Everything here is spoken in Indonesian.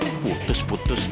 dia bahasa polykul luka